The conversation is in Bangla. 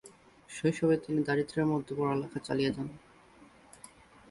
শৈশবে তিনি দারিদ্র্যের মধ্যে পড়ালেখা চালিয়ে যান।